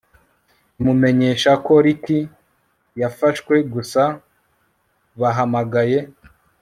imumenyesha ko Rick yafashwe gusa bahamagaye